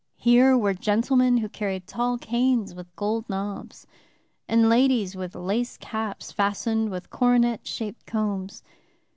Here were gentlemen who carried tall canes with gold knobs, and ladies with lace caps fastened with coronet shaped combs.